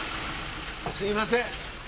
すいません！